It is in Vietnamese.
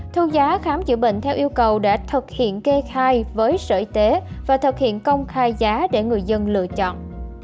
thu giá khám chữa bệnh theo yêu cầu đã thực hiện kê khai với sở y tế và thực hiện công khai giá để người dân lựa chọn